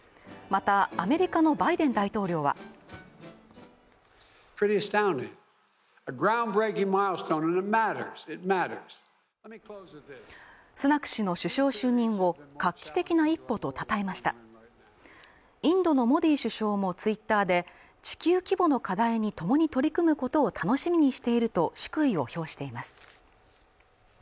またアメリカのバイデン大統領はスナク氏の首相就任を画期的な一歩とたたえましたインドのモディ首相もツイッターで地球規模の課題に共に取り組むことを楽しみにしていると祝意を表しています